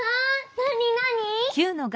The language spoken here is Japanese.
なになに？